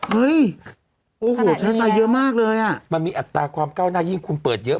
เฮ้ยโอ้โหใช้เวลาเยอะมากเลยอ่ะมันมีอัตราความก้าวหน้ายิ่งคุณเปิดเยอะ